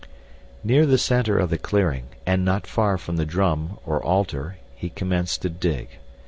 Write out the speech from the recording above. Near the center of the clearing, and not far from the drum, or altar, he commenced to dig.